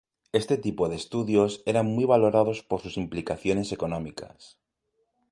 Este tipo de estudios eran muy valorados por sus implicaciones económicas.